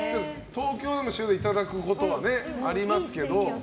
東京の人も塩でいただくことはありますけど。